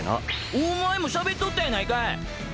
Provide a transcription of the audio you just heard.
おまえもしゃべっとったやないかい！！